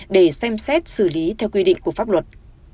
để xem xét xử lý theo quy định của pháp luật